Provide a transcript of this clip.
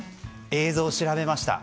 映像を調べました。